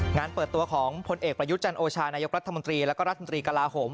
งานเปิดตัวของพลเอกประยุทธ์จันโอชานายกรัฐมนตรีแล้วก็รัฐมนตรีกลาโหม